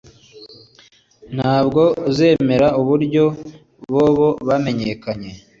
Ntabwo uzemera uburyo Bobo yamenyekanye